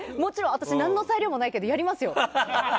私、何の裁量もないけどやりますよ。